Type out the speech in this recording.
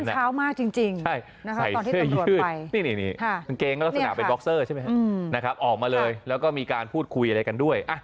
เพราะว่ามันเช้ามากจริงใส่เชื่อยืดนี้นี่กลางเกงศนาเป็นบ็อกเซอร์ใช่ไหมออกมาเลยแล้วก็มีการพูดคุยอะไรกันด้วย